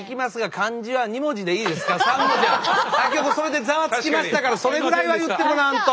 先ほどそれでざわつきましたからそれぐらいは言ってもらわんと。